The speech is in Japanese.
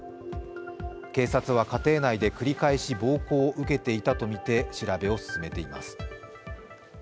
警察は家庭内で繰り返し暴行を受けていたとみて調べています。